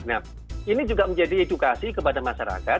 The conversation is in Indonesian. nah ini juga menjadi edukasi kepada masyarakat